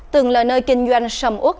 từng lời nơi kinh doanh sầm út